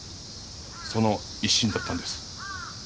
その一心だったんです。